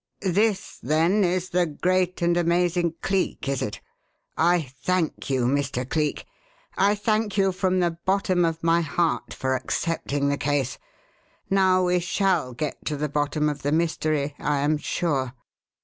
This then is the great and amazing Cleek, is it? I thank you, Mr. Cleek, I thank you from the bottom of my heart for accepting the case. Now we shall get to the bottom of the mystery, I am sure."